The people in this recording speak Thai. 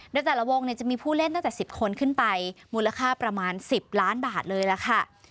โดยแต่ละวงจะมีผู้เล่นตั้งแต่๑๐คนขึ้นไปมูลค่าประมาณ๑๐ล้านบาทเลยล่ะค่ะ